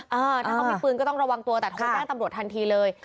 ถ้าเขามีปืนก็ต้องระวังตัวแต่โทรแจ้งตำรวจทันทีเลย